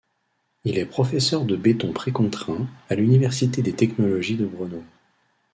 Il est professeur de béton précontraint à l'Université des technologies de Brno.